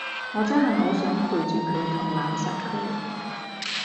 我真係好想陪住佢同攬實佢